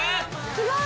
・すごい。